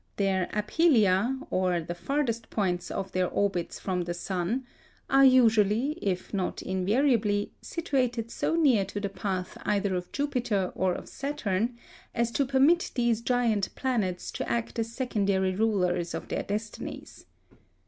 Their aphelia or the farthest points of their orbits from the sun are usually, if not invariably, situated so near to the path either of Jupiter or of Saturn, as to permit these giant planets to act as secondary rulers of their destinies.